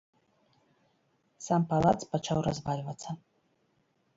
Сам палац пачаў развальвацца.